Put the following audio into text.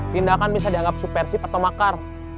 tindakan bisa dianggap supersib atau makar